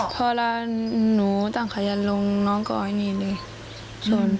พอละหนูตั้งขยันลงน้องก็เอาอย่างนี้เลย